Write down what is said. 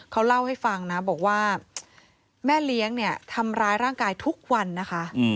เขาเล่าให้ฟังนะบอกว่าแม่เลี้ยงเนี่ยทำร้ายร่างกายทุกวันนะคะ